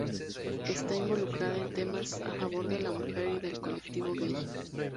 Está involucrada en temas a favor de la mujer y del colectivo gay.